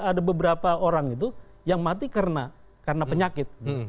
ada beberapa orang itu yang mati karena penyakit